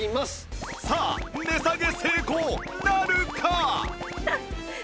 さあ値下げ成功なるか？